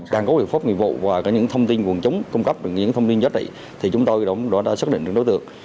càng có biện pháp nghiệp vụ và những thông tin quần chống cung cấp những thông tin giá trị thì chúng tôi đã xác định được đối tượng